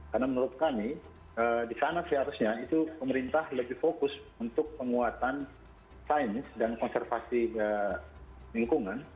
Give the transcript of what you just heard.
karena menurut kami di sana seharusnya itu pemerintah lebih fokus untuk penguatan sains dan konservasi lingkungan